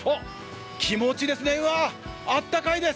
気持ちいいですね、うわ、あったかいです。